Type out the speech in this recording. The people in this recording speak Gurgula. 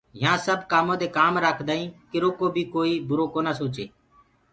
يهآنٚ سب ڪآمودي ڪآم رآکدآئينٚ ڪرو ڪو بيٚ ڪوئيٚ برو ڪونآ سوچي